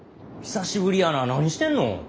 久しぶりやな何してんの。